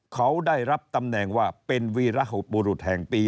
เขาได้รับตำแหน่งว่าเป็นวีรหุรุษแห่งปี